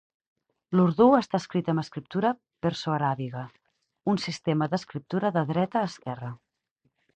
L'urdú està escrit amb escriptura perso-aràbiga, un sistema d'escriptura de dreta a esquerra.